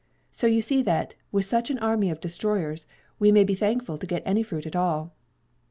So you see that, with such an army of destroyers, we may be thankful to get any fruit at all."